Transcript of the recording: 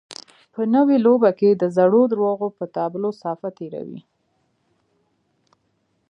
په نوې لوبه کې د زړو درواغو پر تابلو صافه تېروي.